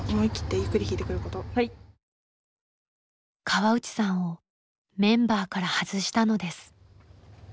河内さんをメンバーから外したのです。